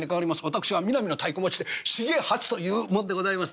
私はミナミの太鼓持ちで茂八というもんでございます。